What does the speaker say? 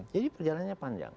jadi perjalannya panjang